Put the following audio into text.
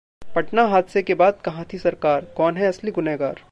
पटना हादसे के बाद कहां थी सरकार, कौन है असली गुनहगार?